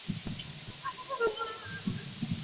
拉法尔。